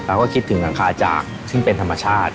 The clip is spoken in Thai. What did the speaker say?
เราก็คิดถึงหลังคาจากซึ่งเป็นธรรมชาติ